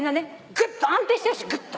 ぐっと安定してほしいぐっと。